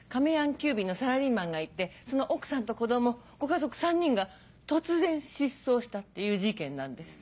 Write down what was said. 急便のサラリーマンがいてその奥さんと子供ご家族３人が突然失踪したっていう事件なんです。